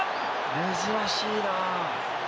珍しいな。